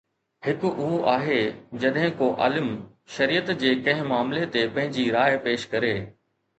هڪ اهو آهي جڏهن ڪو عالم شريعت جي ڪنهن معاملي تي پنهنجي راءِ پيش ڪري